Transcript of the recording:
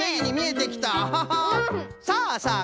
さあさあ